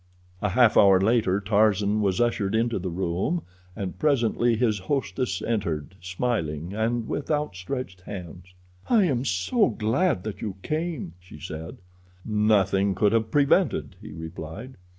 A half hour later Tarzan was ushered into the room, and presently his hostess entered, smiling, and with outstretched hands. "I am so glad that you came," she said. "Nothing could have prevented," he replied.